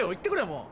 もう。